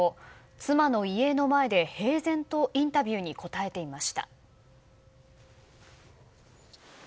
妻の遺影の前で平然とインタビューに答えていました。